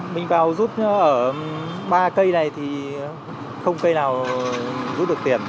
mình vào rút ở ba cây này thì không cây nào rút được tiền